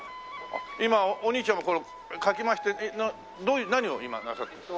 今お兄ちゃんがこれをかき回して何を今なさってるの？